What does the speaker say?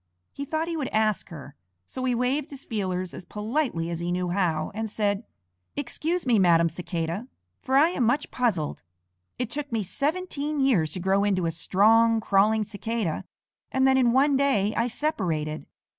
He thought he would ask her, so he waved his feelers as politely as he knew how, and said, "Excuse me, Madam Cicada, for I am much puzzled. It took me seventeen years to grow into a strong, crawling Cicada, and then in one day I separated.